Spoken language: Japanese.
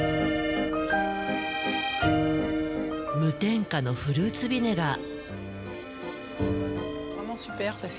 無添加のフルーツビネガー。